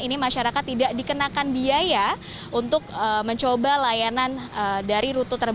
ini masyarakat tidak dikenakan biaya untuk mencoba layanan dari rute